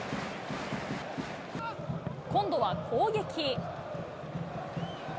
今度は攻撃。